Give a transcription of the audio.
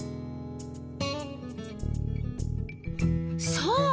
そう。